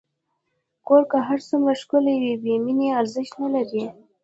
کور که هر څومره ښکلی وي، بېمینې ارزښت نه لري.